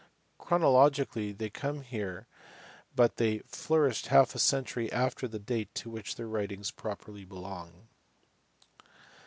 Chronologically they come here but they flourished half a century after the date to which their writings properly belong.